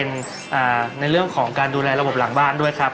ในเรื่องของการดูแลระบบหลังบ้านด้วยครับ